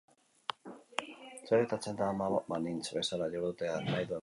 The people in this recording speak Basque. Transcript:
Zer gertatzen da ama banintz bezala jardutea nahi duen jendearekin?